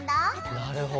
なるほど。